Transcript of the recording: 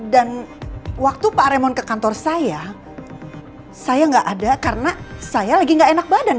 dan waktu pak remon ke kantor saya saya nggak ada karena saya lagi nggak enak badan